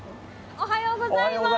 おはようございます。